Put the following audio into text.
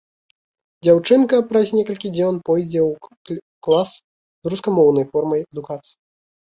Дзяўчынка праз некалькі дзён пойдзе ў клас з рускамоўнай формай адукацыі.